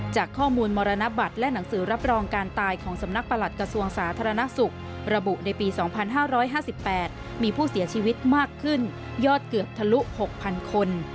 จากข้อมูลมรณบัตรและหนังสือรับรองการตายของสำนักประหลัดกระทรวงสาธารณสุขระบุในปี๒๕๕๘มีผู้เสียชีวิตมากขึ้นยอดเกือบทะลุ๖๐๐๐คน